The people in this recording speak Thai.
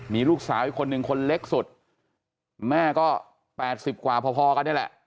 มีลูกสาวอีกคนนึงคนเล็กสุดแม่ก็๘๐กว่าพอกันนี่แหละ